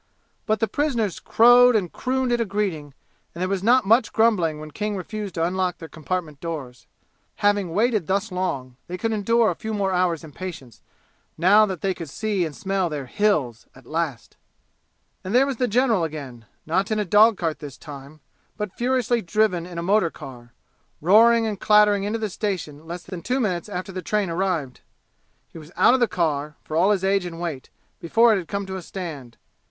But the prisoners crowed and crooned it a greeting, and there was not much grumbling when King refused to unlock their compartment doors. Having waited thus long, they could endure a few more hours in patience, now that they could see and smell their "Hills" at last. And there was the general again, not in a dog cart this time, but furiously driven in a motor car, roaring and clattering into the station less than two minutes after the train arrived. He was out of the car, for all his age and weight, before it had come to a stand.